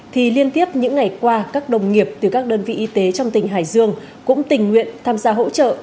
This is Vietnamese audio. thì liên tiếp những ngày qua các đồng nghiệp từ các đơn vị y tế trong tỉnh hải dương cũng tình nguyện tham gia hỗ trợ